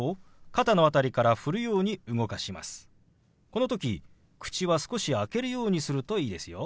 この時口は少し開けるようにするといいですよ。